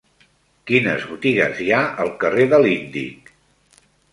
Quines botigues hi ha al carrer de l'Índic?